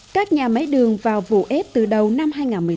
các nhà máy đường vào vụ ép từ đầu năm hai nghìn một mươi tám